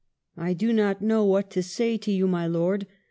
I do not know what to say to you, my lord.